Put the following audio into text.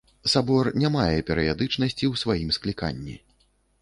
Сабор не мае перыядычнасці ў сваім скліканні.